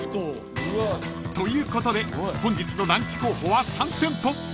［ということで本日のランチ候補は３店舗］